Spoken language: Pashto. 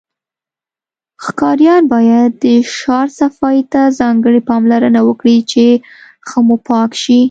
ښاریان باید د شار صفایی ته ځانګړی پاملرنه وکړی چی ښه موپاک شی